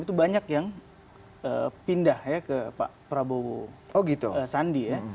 itu banyak yang pindah ya ke pak prabowo sandi ya